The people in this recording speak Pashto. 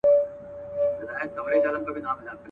موږ به تر کله د لمبو له څنګه شپې تېروو.